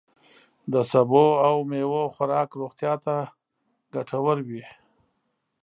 د سبوو او میوو خوراک روغتیا ته ګتور وي.